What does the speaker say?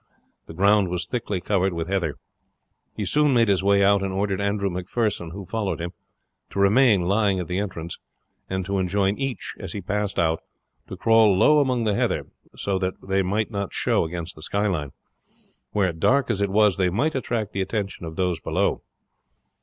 The ground was thickly covered with heather. He soon made his way out and ordered Andrew Macpherson, who followed him, to remain lying at the entrance, and to enjoin each, as he passed out, to crawl low among the heather, so that they might not show against the skyline, where, dark as it was, they might attract the attention of those below.